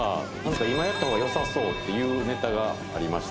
今やった方がよさそうっていうネタがありまして。